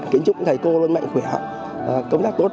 kiến trúc thầy cô luôn mạnh khỏe công tác tốt